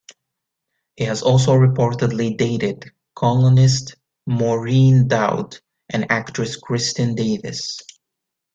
He has also reportedly dated columnist Maureen Dowd and actress Kristin Davis.